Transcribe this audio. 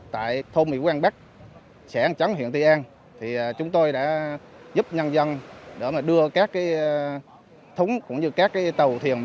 tại thôn mỹ quang bắc xã trắng huyện thị an chúng tôi đã giúp nhân dân đưa các thúng cũng như các tàu thuyền